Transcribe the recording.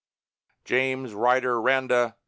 JAMES RYDER RANDALL.